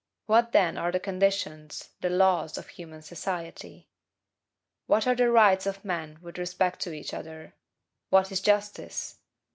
What, then, are the conditions, the LAWS, of human society? What are the RIGHTS of men with respect to each other; what is JUSTICE?